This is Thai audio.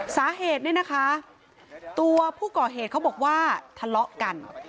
สาเหตุตัวผู้ก่อเหตุเค้าบอกว่าทะเลาะกัน